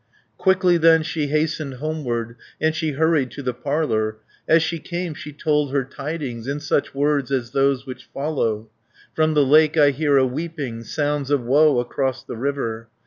Quickly then she hastened homeward, And she hurried to the parlour. As she came, she told her tidings, In such words as those which follow: "From the lake I hear a weeping, Sounds of woe across the river."